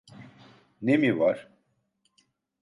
Ne mi var?